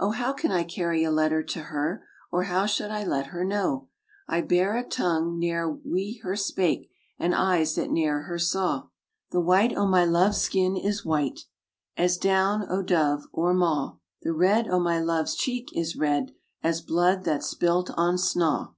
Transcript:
*'O how can I carry a letter to her, Or how should I her know? I bear a tongue ne'er wi' her spak', And eyes that ne'er her saw." 'The white o' my love's skin is white As down o' dove or maw; The red o' my love's cheek is red As blood that's spilt on snaw.